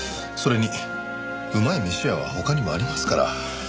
それにうまい飯屋は他にもありますから。